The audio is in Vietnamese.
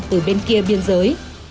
từ bên kia biên giới